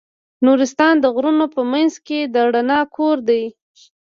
نورستان د غرونو په منځ کې د رڼا کور دی.